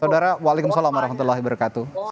saudara waalaikumsalam warahmatullahi wabarakatuh